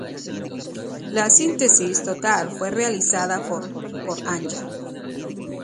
La síntesis total fue realizada por Han-ya